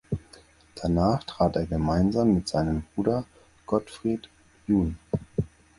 Danach trat er gemeinsam mit seinem Bruder Gottfried jun.